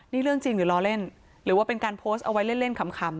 นี่เรื่องจริงหรือล้อเล่นหรือว่าเป็นการโพสต์เอาไว้เล่นขำ